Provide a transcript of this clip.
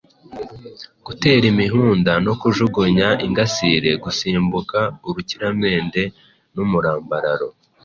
gutera imihunda no kujugunya ingasire, gusimbuka urukiramende n’umurambararo.